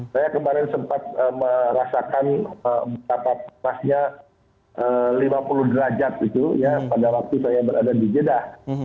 saya kemarin sempat merasakan berapa pasnya lima puluh derajat itu ya pada waktu saya berada di jeddah